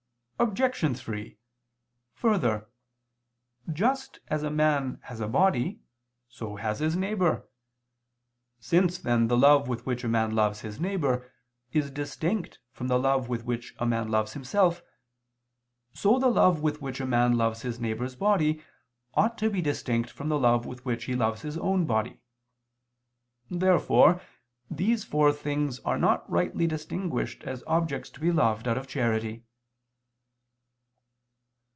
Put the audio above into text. Obj. 3: Further, just as a man has a body, so has his neighbor. Since then the love with which a man loves his neighbor, is distinct from the love with which a man loves himself, so the love with which a man loves his neighbor's body, ought to be distinct from the love with which he loves his own body. Therefore these four things are not rightly distinguished as objects to be loved out of charity.